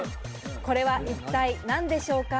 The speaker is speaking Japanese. これは一体何でしょうか？